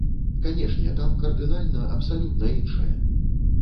Канешне, там кардынальна, абсалютна іншае.